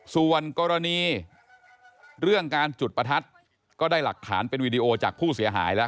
ส่วนกรณีเรื่องการจุดประทัดก็ได้หลักฐานเป็นวีดีโอจากผู้เสียหายแล้ว